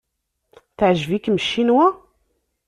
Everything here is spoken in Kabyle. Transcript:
Teɛjeb-ikem Ccinwa?